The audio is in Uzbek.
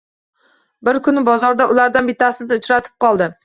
Bir kuni bozorda ulardan bittasini uchratib qoldim.